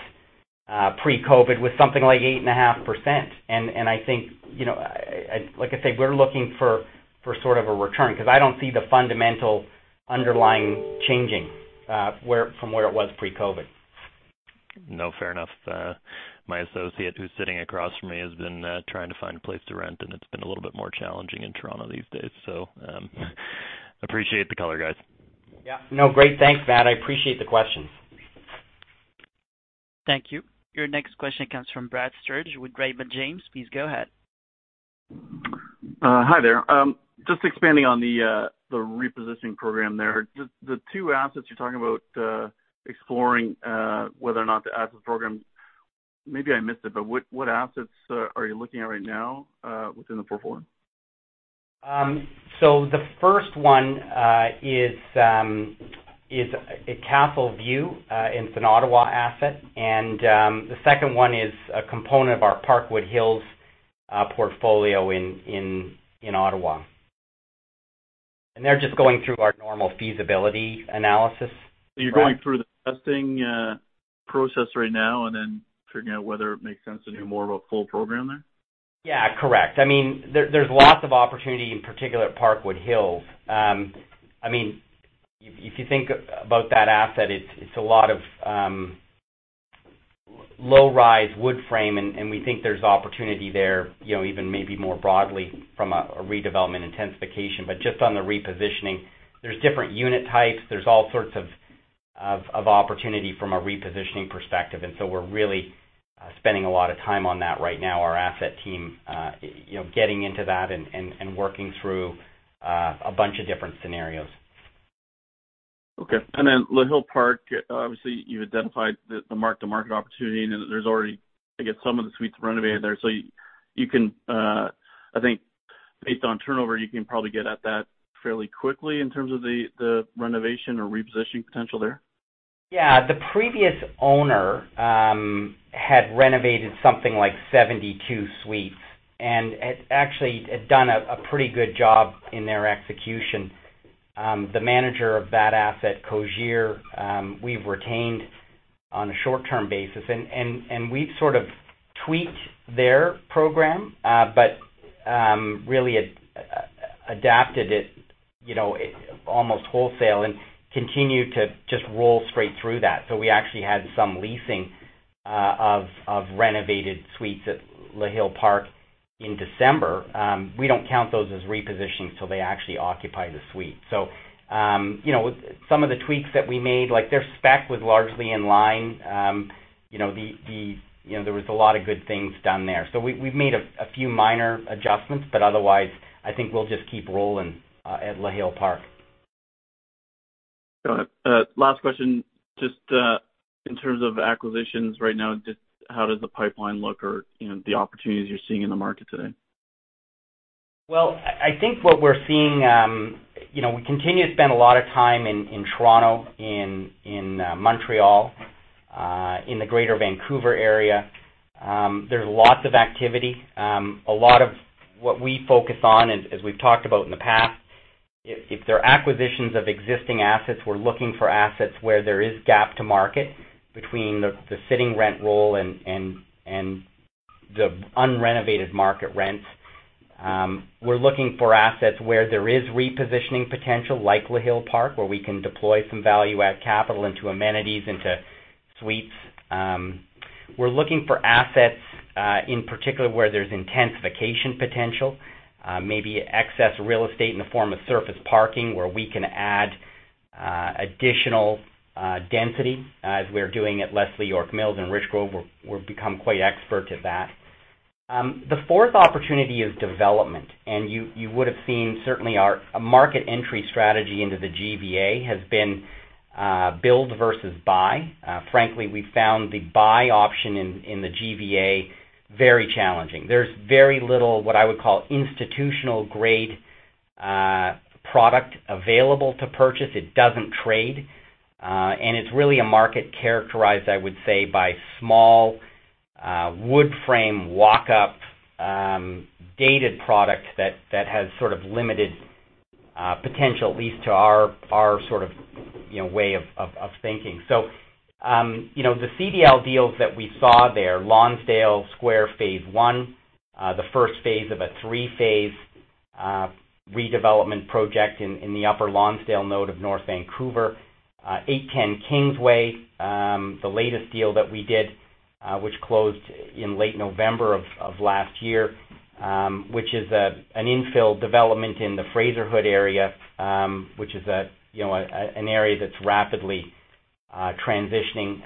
pre-COVID was something like 8.5%. I think, you know, like I said, we're looking for sort of a return because I don't see the fundamental underlying changing from where it was pre-COVID. No, fair enough. My associate who's sitting across from me has been trying to find a place to rent, and it's been a little bit more challenging in Toronto these days. Appreciate the color, guys. Yeah. No, great. Thanks, Matt. I appreciate the questions. Thank you. Your next question comes from Brad Sturges with Raymond James. Please go ahead. Hi there. Just expanding on the repositioning program there. The two assets you're talking about, exploring whether or not the asset program. Maybe I missed it, but what assets are you looking at right now within the portfolio? The first one is Castleview, it's an Ottawa asset. The second one is a component of our Parkwood Hills portfolio in Ottawa. They're just going through our normal feasibility analysis. You're going through the testing process right now and then figuring out whether it makes sense to do more of a full program there? Yeah, correct. I mean, there's lots of opportunity, in particular at Parkwood Hills. I mean, if you think about that asset, it's a lot of low-rise wood frame, and we think there's opportunity there, you know, even maybe more broadly from a redevelopment intensification. Just on the repositioning, there's different unit types. There's all sorts of opportunity from a repositioning perspective. We're really spending a lot of time on that right now. Our asset team, you know, getting into that and working through a bunch of different scenarios. Okay. Then Le Hill-Park, obviously, you identified the mark-to-market opportunity, and there's already, I guess, some of the suites renovated there. I think based on turnover, you can probably get at that fairly quickly in terms of the renovation or repositioning potential there. Yeah. The previous owner had renovated something like 72 suites, and had actually done a pretty good job in their execution. The manager of that asset, Cogir, we've retained on a short-term basis, and we've sort of tweaked their program, but really adapted it, you know, almost wholesale and continued to just roll straight through that. So we actually had some leasing of renovated suites at Le Hill-Park in December. We don't count those as repositioned till they actually occupy the suite. So you know, some of the tweaks that we made, like their spec was largely in line. You know, there was a lot of good things done there. So we've made a few minor adjustments, but otherwise I think we'll just keep rolling at Le Hill-Park. Got it. Last question, just, in terms of acquisitions right now, just how does the pipeline look or, you know, the opportunities you're seeing in the market today? Well, I think what we're seeing, you know, we continue to spend a lot of time in Toronto, in Montreal, in the Greater Vancouver area. There's lots of activity. A lot of what we focus on, as we've talked about in the past, if there are acquisitions of existing assets, we're looking for assets where there is gap to market between the sitting rent roll and the unrenovated market rents. We're looking for assets where there is repositioning potential, like Le Hill-Park, where we can deploy some value add capital into amenities, into suites. We're looking for assets in particular where there's intensification potential, maybe excess real estate in the form of surface parking where we can add additional density as we're doing at Leslie York Mills in Richgrove. We've become quite expert at that. The fourth opportunity is development. You would've seen certainly our market entry strategy into the GVA has been build versus buy. Frankly, we found the buy option in the GVA very challenging. There's very little what I would call institutional-grade product available to purchase. It doesn't trade. It's really a market characterized, I would say, by small wood frame, walk-up dated products that has sort of limited potential, at least to our our sort of, you know, way of thinking. You know, the CDL deals that we saw there, Lonsdale Square Phase One, the first phase of a three-phase redevelopment project in the upper Lonsdale node of North Vancouver. 810 Kingsway, the latest deal that we did, which closed in late November of last year, which is an infill development in the Fraserhood area, which is, you know, an area that's rapidly transitioning.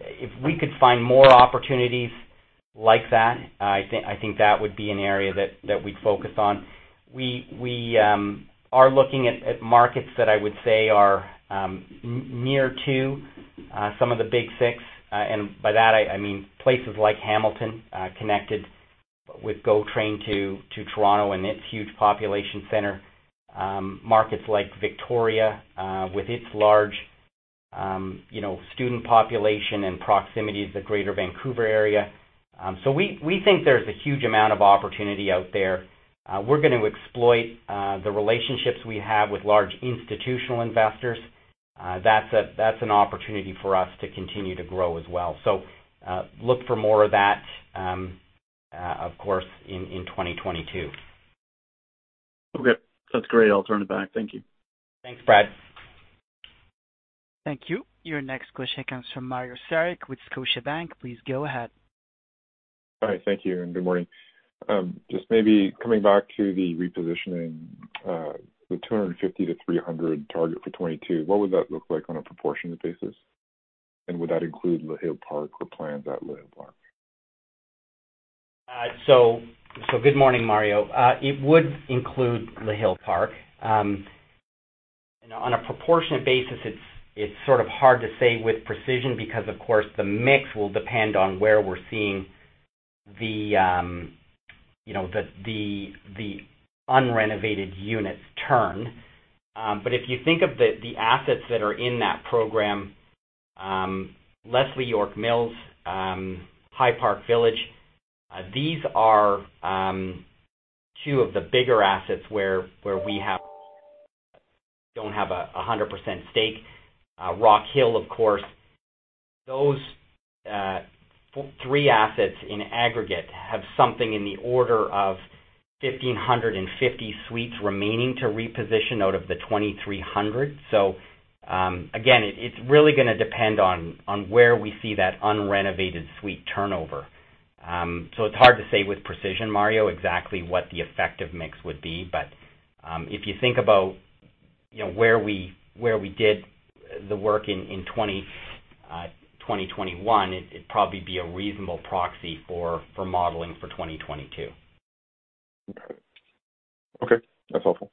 If we could find more opportunities like that, I think that would be an area that we'd focus on. We are looking at markets that I would say are near to some of the big six. By that I mean places like Hamilton, connected with GO Train to Toronto and its huge population center. Markets like Victoria, with its large, you know, student population and proximity to the Greater Vancouver area. We think there's a huge amount of opportunity out there. We're going to exploit the relationships we have with large institutional investors. That's an opportunity for us to continue to grow as well. Look for more of that, of course in 2022. Okay. That's great. I'll turn it back. Thank you. Thanks, Brad. Thank you. Your next question comes from Mario Saric with Scotiabank. Please go ahead. Hi. Thank you, and good morning. Just maybe coming back to the repositioning, the 250-300 target for 2022, what would that look like on a proportionate basis? Would that include Le Hill-Park or plans at Le Hill-Park? Good morning, Mario. It would include Le Hill-Park. On a proportionate basis, it's sort of hard to say with precision because of course the mix will depend on where we're seeing, you know, the unrenovated units turn. If you think of the assets that are in that program, Leslie York Mills, High Park Village, these are two of the bigger assets where we don't have a 100% stake. Rockhill, of course. Those three assets in aggregate have something in the order of 1,550 suites remaining to reposition out of the 2,300. Again, it's really gonna depend on where we see that unrenovated suite turnover. It's hard to say with precision, Mario, exactly what the effective mix would be. If you think about, you know, where we did the work in 2021, it'd probably be a reasonable proxy for modeling for 2022. Okay. That's helpful.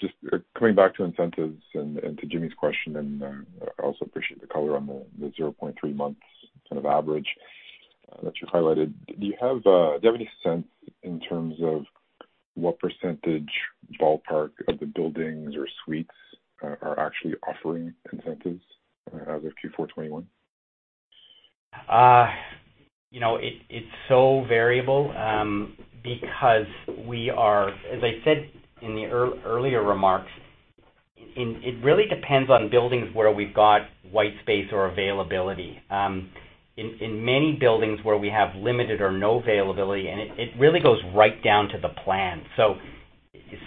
Just coming back to incentives and to Jimmy Shan's question, I also appreciate the color on the 0.3 months kind of average that you highlighted. Do you have any sense in terms of what percentage ballpark of the buildings or suites are actually offering incentives as of Q4 2021? You know, it's so variable because, as I said in the earlier remarks, it really depends on buildings where we've got white space or availability. In many buildings where we have limited or no availability, it really goes right down to the plan.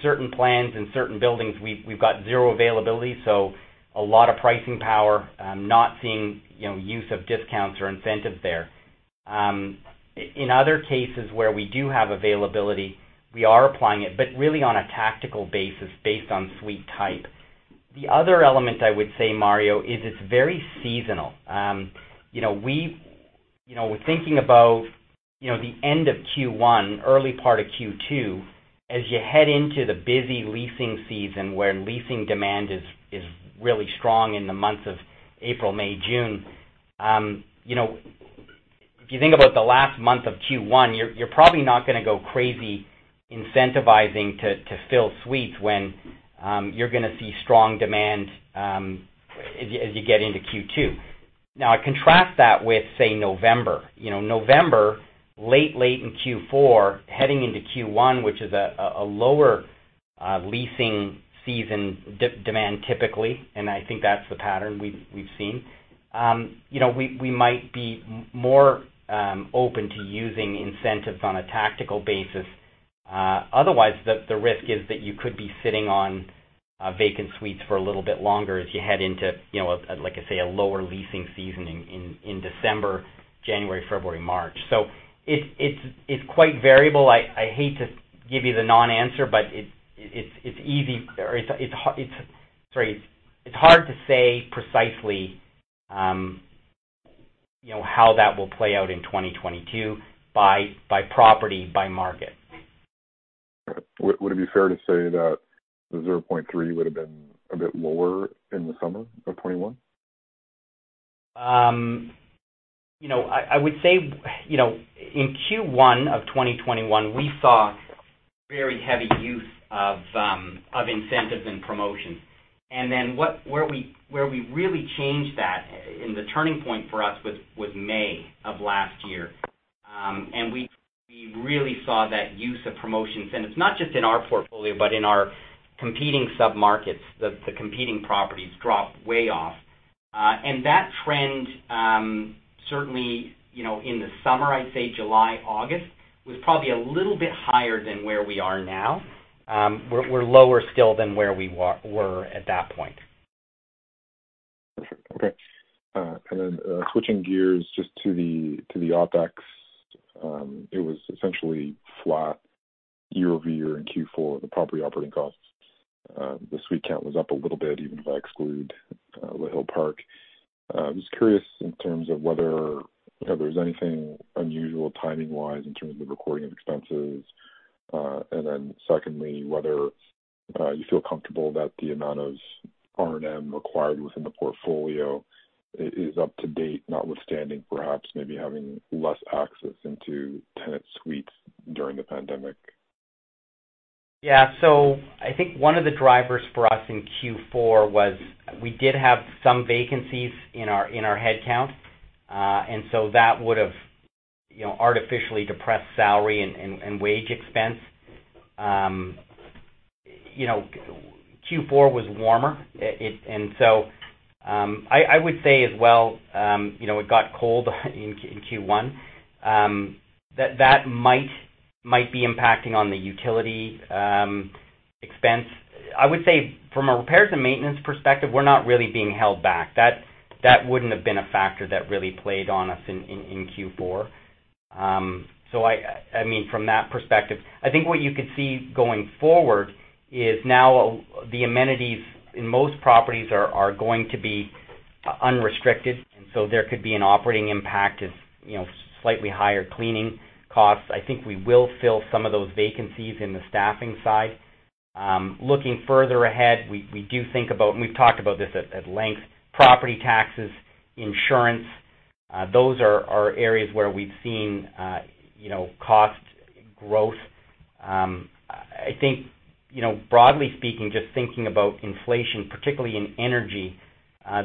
Certain plans and certain buildings, we've got zero availability, so a lot of pricing power, not seeing, you know, use of discounts or incentives there. In other cases where we do have availability, we are applying it, but really on a tactical basis based on suite type. The other element I would say, Mario, is it's very seasonal. You know, we're thinking about the end of Q1, early part of Q2. As you head into the busy leasing season where leasing demand is really strong in the months of April, May, June, you know, if you think about the last month of Q1, you're probably not gonna go crazy incentivizing to fill suites when you're gonna see strong demand as you get into Q2. Now contrast that with, say, November. You know, November, late in Q4, heading into Q1, which is a lower leasing season demand typically, and I think that's the pattern we've seen. You know, we might be more open to using incentives on a tactical basis. Otherwise, the risk is that you could be sitting on vacant suites for a little bit longer as you head into, you know, like I say, a lower leasing season in December, January, February, March. It's quite variable. I hate to give you the non-answer, but it's hard to say precisely, you know, how that will play out in 2022 by property, by market. Would it be fair to say that the 0.3 would have been a bit lower in the summer of 2021? You know, I would say, you know, in Q1 of 2021, we saw very heavy use of incentives and promotions. Where we really changed that, and the turning point for us was May of last year. We really saw that use of promotions. It's not just in our portfolio, but in our competing sub-markets, the competing properties dropped way off. That trend certainly, you know, in the summer, I'd say July, August, was probably a little bit higher than where we are now. We're lower still than where we were at that point. Perfect. Okay, switching gears just to the OpEx. It was essentially flat year-over-year in Q4, the property operating costs. The suite count was up a little bit, even if I exclude Le Hill-Park. Just curious in terms of whether, you know, there's anything unusual timing-wise in terms of the recording of expenses. And then secondly, whether you feel comfortable that the amount of R&M required within the portfolio is up to date, notwithstanding perhaps maybe having less access into tenant suites during the pandemic. Yeah. I think one of the drivers for us in Q4 was we did have some vacancies in our head count. That would've, you know, artificially depressed salary and wage expense. You know, Q4 was warmer. I would say as well, you know, it got cold in Q1. That might be impacting on the utility expense. I would say from a repairs and maintenance perspective, we're not really being held back. That wouldn't have been a factor that really played on us in Q4. I mean, from that perspective. I think what you could see going forward is now the amenities in most properties are going to be unrestricted, and there could be an operating impact of, you know, slightly higher cleaning costs. I think we will fill some of those vacancies in the staffing side. Looking further ahead, we do think about, and we've talked about this at length, property taxes, insurance, those are areas where we've seen, you know, cost growth. I think, you know, broadly speaking, just thinking about inflation, particularly in energy,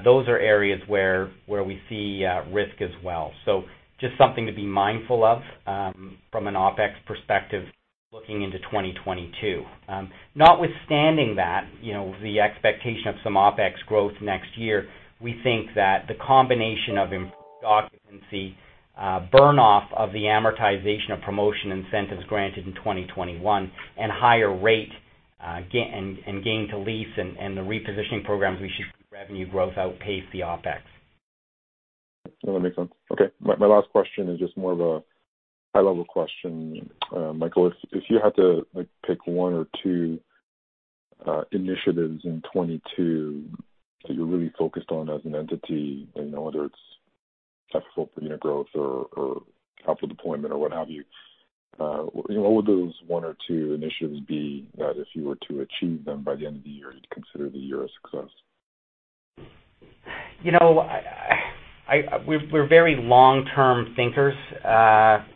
those are areas where we see risk as well. Just something to be mindful of, from an OpEx perspective looking into 2022. Notwithstanding that, you know, the expectation of some OpEx growth next year, we think that the combination of improved occupancy, burn off of the amortization of promotion incentives granted in 2021 and higher rate gain to lease and the repositioning programs, we should see revenue growth outpace the OpEx. No, that makes sense. Okay. My last question is just more of a high-level question. Michael, if you had to, like, pick one or two initiatives in 2022 that you're really focused on as an entity, you know, whether it's capital per unit growth or capital deployment or what have you know, what would those one or two initiatives be that if you were to achieve them by the end of the year, you'd consider the year a success? You know, we're very long-term thinkers.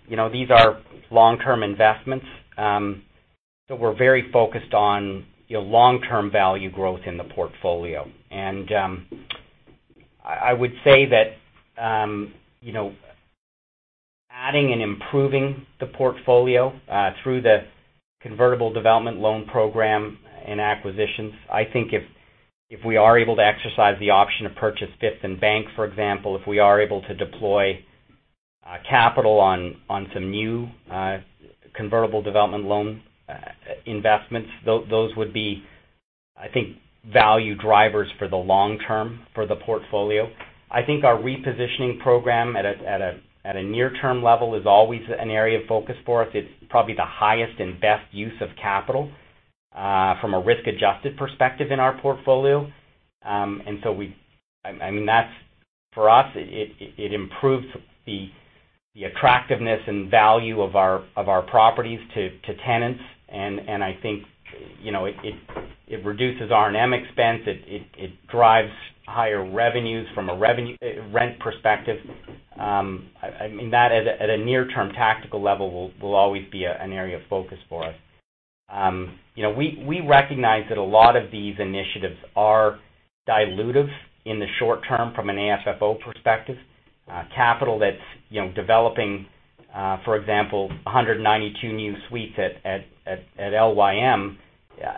You know, these are long-term investments. We're very focused on, you know, long-term value growth in the portfolio. I would say that adding and improving the portfolio through the convertible development loan program and acquisitions, I think if we are able to exercise the option to purchase Fifth + Bank, for example, if we are able to deploy capital on some new convertible development loan investments, those would be, I think, value drivers for the long term for the portfolio. I think our repositioning program at a near-term level is always an area of focus for us. It's probably the highest and best use of capital from a risk-adjusted perspective in our portfolio. I mean, that's for us, it improves the attractiveness and value of our properties to tenants. I think, you know, it reduces R&M expense. It drives higher revenues from a revenue rent perspective. I mean that at a near-term tactical level will always be an area of focus for us. You know, we recognize that a lot of these initiatives are dilutive in the short term from an AFFO perspective. Capital that's, you know, developing for example, 192 new suites at LYM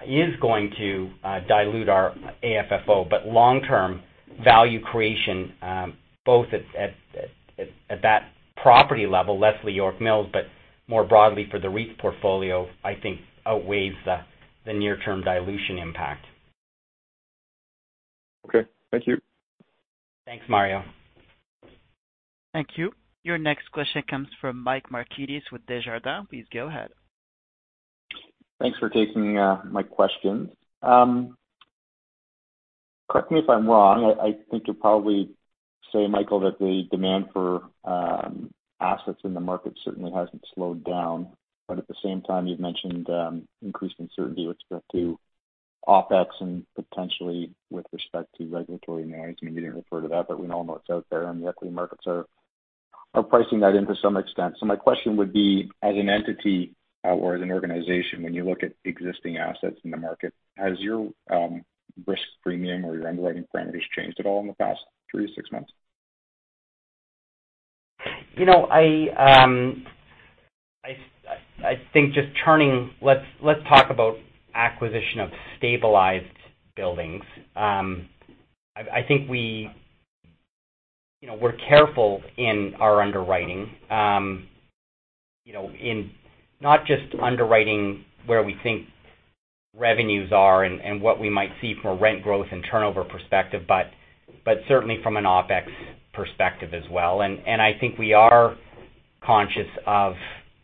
is going to dilute our AFFO. Long term, value creation, both at that property level, Leslie York Mills, but more broadly for the REIT portfolio, I think outweighs the near-term dilution impact. Okay. Thank you. Thanks, Mario. Thank you. Your next question comes from Mike Markidis with Desjardins. Please go ahead. Thanks for taking my question. Correct me if I'm wrong, I think you'll probably say, Michael, that the demand for assets in the market certainly hasn't slowed down. At the same time, you've mentioned increased uncertainty with respect to OpEx and potentially with respect to regulatory management. You didn't refer to that, but we all know it's out there, and the equity markets are pricing that in to some extent. My question would be, as an entity or as an organization, when you look at existing assets in the market, has your risk premium or your underwriting parameters changed at all in the past three to six months? You know, I think just turning. Let's talk about acquisition of stabilized buildings. I think we, you know, we're careful in our underwriting, you know, in not just underwriting where we think revenues are and what we might see from a rent growth and turnover perspective, but certainly from an OpEx perspective as well. I think we are conscious of,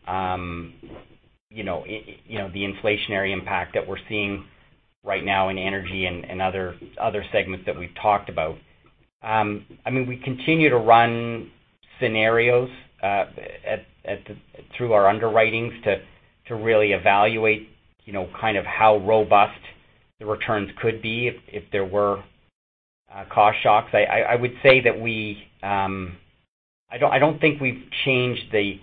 you know, the inflationary impact that we're seeing right now in energy and other segments that we've talked about. I mean, we continue to run scenarios through our underwritings to really evaluate, you know, kind of how robust the returns could be if there were cost shocks. I would say that we I don't think we've changed the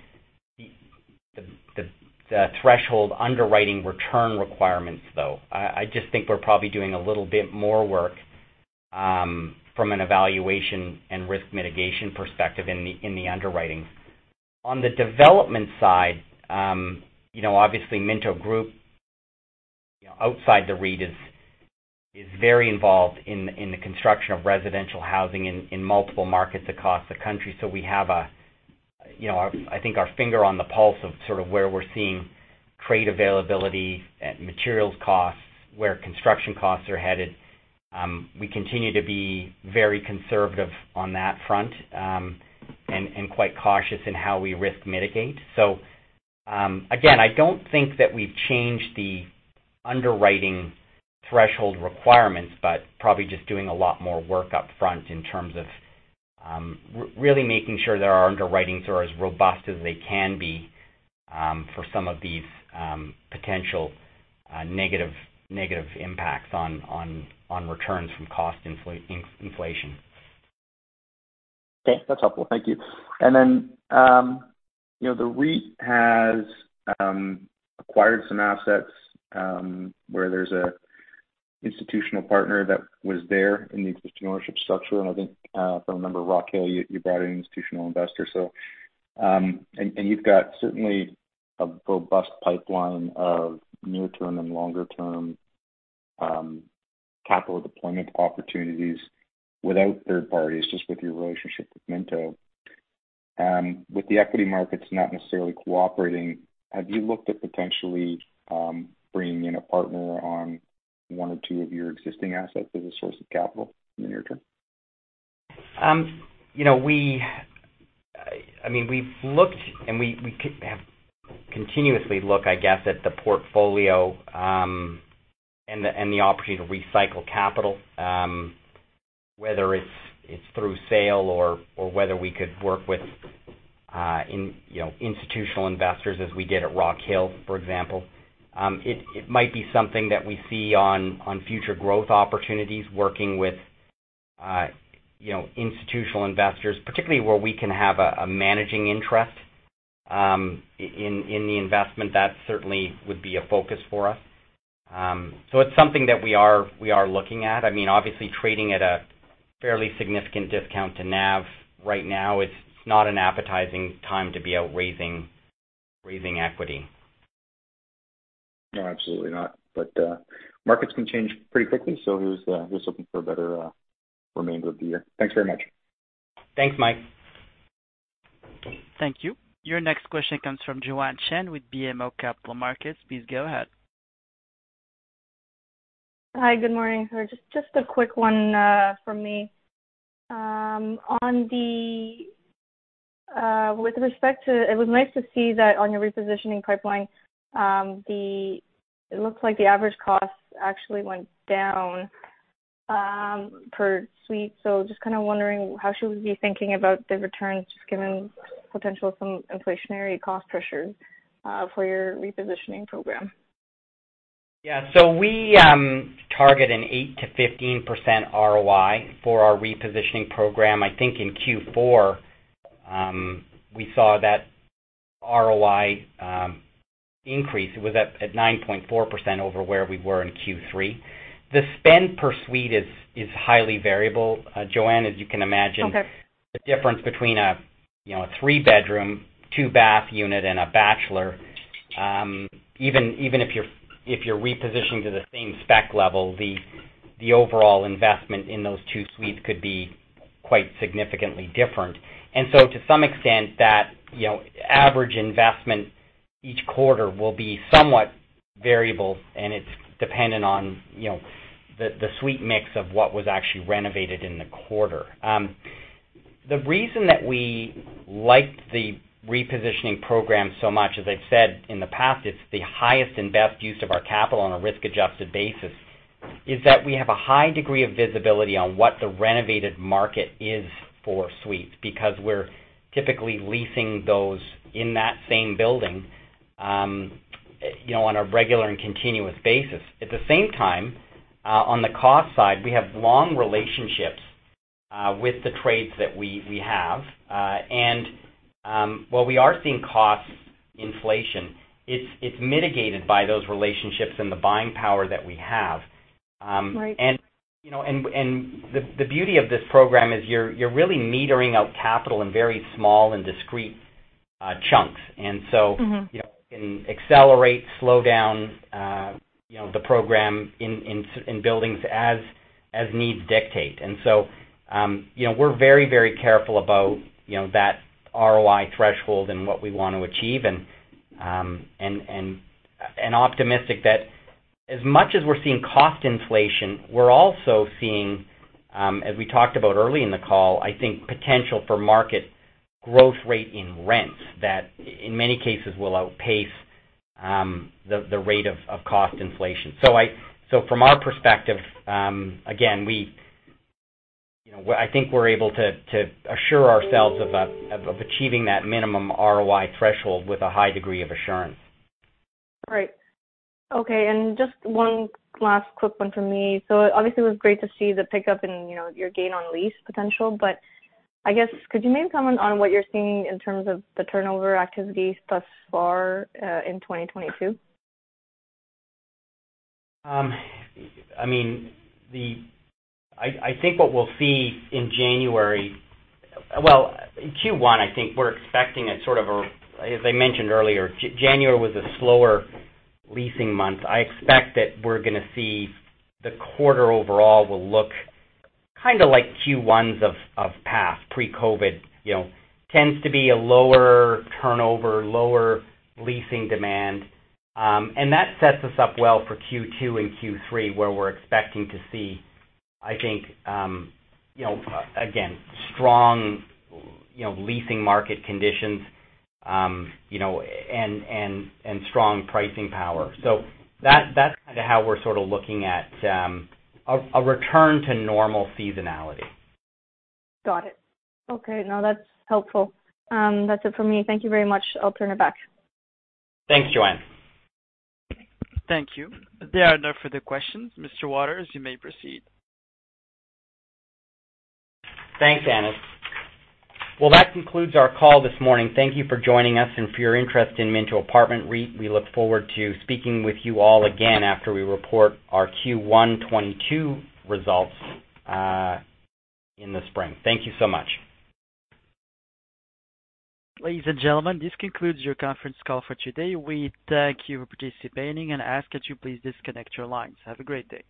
threshold underwriting return requirements, though. I just think we're probably doing a little bit more work from a valuation and risk mitigation perspective in the underwriting. On the development side, you know, obviously Minto Group, you know, outside the REIT is very involved in the construction of residential housing in multiple markets across the country. So we have a you know our I think our finger on the pulse of sort of where we're seeing trade availability, materials costs, where construction costs are headed. We continue to be very conservative on that front and quite cautious in how we risk mitigate. Again, I don't think that we've changed the underwriting threshold requirements, but probably just doing a lot more work upfront in terms of really making sure that our underwritings are as robust as they can be for some of these potential negative impacts on returns from cost inflation. Okay. That's helpful. Thank you. You know, the REIT has acquired some assets where there's an institutional partner that was there in the existing ownership structure. I think if I remember Rockhill, you brought in an institutional investor. And you've got certainly a robust pipeline of near-term and longer-term capital deployment opportunities without third parties, just with your relationship with Minto. With the equity markets not necessarily cooperating, have you looked at potentially bringing in a partner on one or two of your existing assets as a source of capital in the near term? You know, I mean, we've looked and we keep having continuously looked, I guess, at the portfolio, and the opportunity to recycle capital, whether it's through sale or whether we could work with, you know, institutional investors as we did at Rockhill, for example. It might be something that we see in future growth opportunities working with, you know, institutional investors, particularly where we can have a managing interest in the investment. That certainly would be a focus for us. It's something that we are looking at. I mean, obviously, trading at a fairly significant discount to NAV right now, it's not an appetizing time to be out raising equity. No, absolutely not. Markets can change pretty quickly, so here's hoping for a better remainder of the year. Thanks very much. Thanks, Mike. Thank you. Your next question comes from Joanne Chen with BMO Capital Markets. Please go ahead. Hi. Good morning. Just a quick one from me. It was nice to see that on your repositioning pipeline, the average cost actually went down per suite. Just kind of wondering how should we be thinking about the returns given some potential inflationary cost pressures for your repositioning program? Yeah. We target an 8%-15% ROI for our repositioning program. I think in Q4, we saw that ROI increase. It was at 9.4% over where we were in Q3. The spend per suite is highly variable. Joanne, as you can imagine- Okay. The difference between a, you know, a three-bedroom, two-bath unit and a bachelor, even if you're repositioned to the same spec level, the overall investment in those two suites could be quite significantly different. To some extent that, you know, average investment each quarter will be somewhat variable, and it's dependent on, you know, the suite mix of what was actually renovated in the quarter. The reason that we like the repositioning program so much, as I've said in the past, it's the highest and best use of our capital on a risk-adjusted basis, is that we have a high degree of visibility on what the renovated market is for suites. Because we're typically leasing those in that same building, you know, on a regular and continuous basis. At the same time, on the cost side, we have long relationships with the trades that we have. While we are seeing cost inflation, it's mitigated by those relationships and the buying power that we have. Right. You know, the beauty of this program is you're really metering out capital in very small and discrete chunks. Mm-hmm. You know, we can accelerate, slow down, you know, the program in buildings as needs dictate. You know, we're very careful about, you know, that ROI threshold and what we want to achieve and optimistic that as much as we're seeing cost inflation, we're also seeing, as we talked about early in the call, I think potential for market growth rate in rents that in many cases will outpace the rate of cost inflation. From our perspective, again, you know, I think we're able to assure ourselves of achieving that minimum ROI threshold with a high degree of assurance. Right. Okay. Just one last quick one from me. Obviously it was great to see the pickup in, you know, your gain on lease potential. I guess could you maybe comment on what you're seeing in terms of the turnover activity thus far in 2022? I mean, I think what we'll see in January. Well, in Q1, I think we're expecting a sort of a, as I mentioned earlier, January was a slower leasing month. I expect that we're gonna see the quarter overall will look kind of like Q1s of past, pre-COVID, you know. Tends to be a lower turnover, lower leasing demand. And that sets us up well for Q2 and Q3, where we're expecting to see, I think, you know, again, strong, you know, leasing market conditions, you know, and strong pricing power. That, that's kind of how we're sort of looking at a return to normal seasonality. Got it. Okay. No, that's helpful. That's it for me. Thank you very much. I'll turn it back. Thanks, Joanne. Thank you. There are no further questions. Mr. Waters, you may proceed. Thanks, Anas. Well, that concludes our call this morning. Thank you for joining us and for your interest in Minto Apartment REIT. We look forward to speaking with you all again after we report our Q1 2022 results in the spring. Thank you so much. Ladies and gentlemen, this concludes your conference call for today. We thank you for participating and ask that you please disconnect your lines. Have a great day.